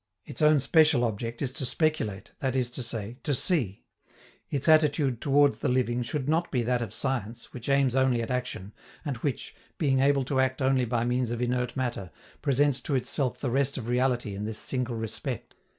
Its own special object is to speculate, that is to say, to see; its attitude toward the living should not be that of science, which aims only at action, and which, being able to act only by means of inert matter, presents to itself the rest of reality in this single respect.